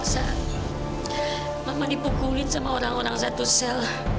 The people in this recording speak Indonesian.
mama dipukulin sama orang orang satu sel